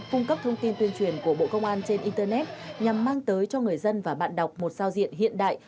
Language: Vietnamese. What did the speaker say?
cung cấp thông tin tuyên truyền của bộ công an trên internet nhằm mang tới cho người dân và bạn đọc một sao diện hiện đại